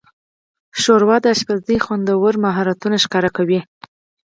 ښوروا د پخلي خوندور مهارت ښيي.